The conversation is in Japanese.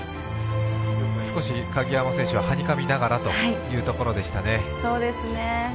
少し鍵山選手ははにかみながらというところでしたね。